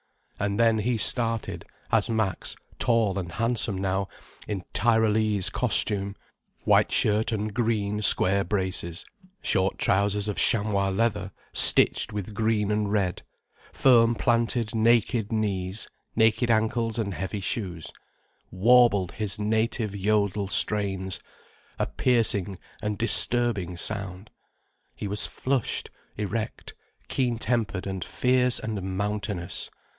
And then he started, as Max, tall and handsome now in Tyrolese costume, white shirt and green, square braces, short trousers of chamois leather stitched with green and red, firm planted naked knees, naked ankles and heavy shoes, warbled his native Yodel strains, a piercing and disturbing sound. He was flushed, erect, keen tempered and fierce and mountainous.